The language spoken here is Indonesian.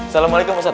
salam alaikum ustadz